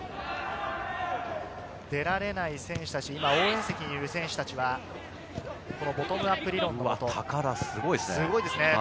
出られない選手たち、応援席にいる選手たちはボトムアップ理論。